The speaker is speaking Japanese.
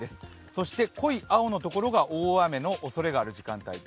そして濃い青のところが大雨のおそれがある時間帯。